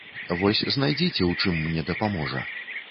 Вось знайдзіце, у чым мне дапаможа.